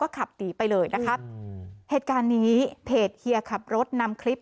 ขับหนีไปเลยนะครับเหตุการณ์นี้เพจเฮียขับรถนำคลิป